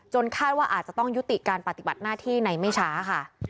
คาดว่าอาจจะต้องยุติการปฏิบัติหน้าที่ในไม่ช้าค่ะ